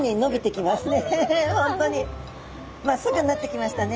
まっすぐになってきましたね。